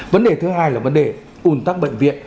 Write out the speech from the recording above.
vấn đề thứ hai là vấn đề ủn tắc bệnh viện